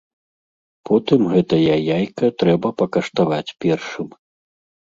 Потым гэтае яйка трэба пакаштаваць першым.